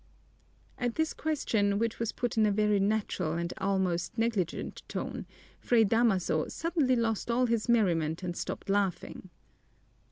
At this question, which was put in a very natural and almost negligent tone, Fray Damaso suddenly lost all his merriment and stopped laughing.